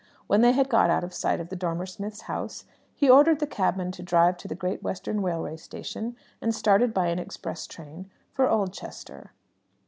When they had got out of sight of the Dormer Smiths' house, he ordered the cabman to drive to the Great Western Railway Station, and started by an express train for Oldchester.